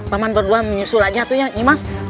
paman berdua menyusul aja tuh ya ini mas